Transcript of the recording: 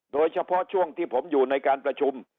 โดยเฉพาะช่วงที่ผมอยู่ในการประชุม